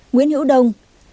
một nguyễn hữu đông